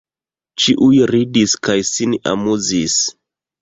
Ĉiuj ridis kaj sin amuzis.